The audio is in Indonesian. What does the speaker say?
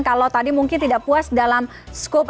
kalau tadi mungkin tidak puas dalam skup